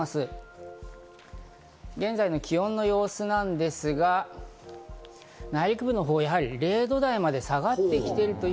現在の気温の様子なんですが、内陸部のほう、やはり０度台まで下がってきている。